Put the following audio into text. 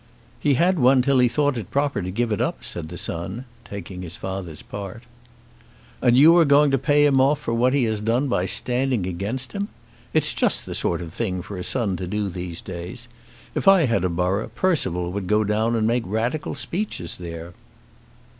"He had one till he thought it proper to give it up," said the son, taking his father's part. "And you are going to pay him off for what he has done by standing against him. It's just the sort of thing for a son to do in these days. If I had a borough Percival would go down and make radical speeches there."